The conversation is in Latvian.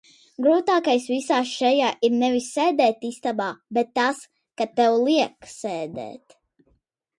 Grūtākais visā šajā ir nevis sēdēt istabā, bet tas, ka tev liek sēdēt.